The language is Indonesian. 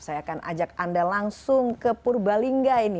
saya akan ajak anda langsung ke purbalingga ini